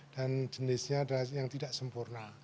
dan jenisnya adalah yang tidak sempurna